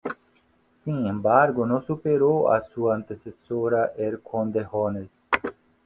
Sin embargo no supero a su antecesora, ""Er Conde Jones"".